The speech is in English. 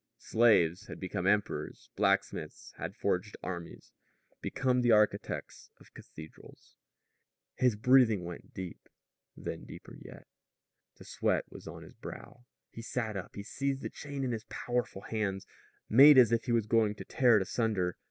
Slaves had become emperors; blacksmiths had forged armies, become the architects of cathedrals. His breathing went deep, then deeper yet. The sweat was on his brow. He sat up. He seized the chain in his powerful hands, made as if he were going to tear it asunder.